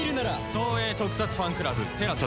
東映特撮ファンクラブＴＥＬＡＳＡで。